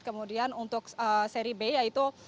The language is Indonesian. kemudian untuk seri b yaitu